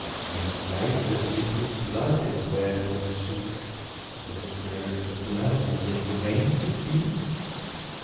Man's life lives in his blood, and where, in sooth. So stirs the blood as in the veins of youth?